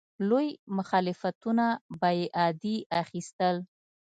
لوی مخالفتونه به یې عادي اخیستل.